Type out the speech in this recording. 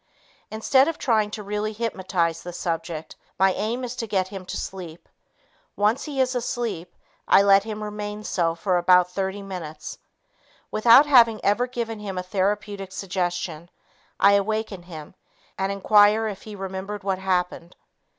Instead of trying to really hypnotize the subject, my aim is to get him to sleep. Once he is asleep, I let him remain so for about 30 minutes. Without having ever given him a therapeutic suggestion, I awaken him and inquire if he remembered what happened.